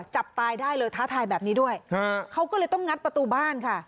จับตายได้เลยท้าทายแบบนี้ด้วยเขาก็เลยต้องงัดประตูบ้านค่ะ